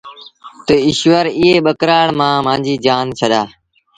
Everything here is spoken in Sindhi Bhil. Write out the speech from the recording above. تا ايٚشور ايئي ٻڪرآڙ مآݩ مآݩجيٚ جآن ڇڏآ۔